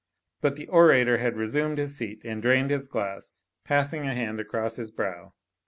But the orator had resumed his seat^nd drained his glass, passing a hand across his brow.